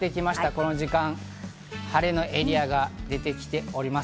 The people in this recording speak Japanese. この時間、晴れのエリアが出てきております。